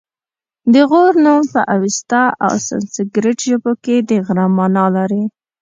د غور نوم په اوستا او سنسګریت ژبو کې د غره مانا لري